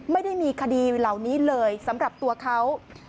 ไม่ได้มีคดีเหล่านี้เลยสำหรับตัวเขา